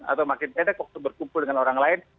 atau makin pendek waktu berkumpul dengan orang lain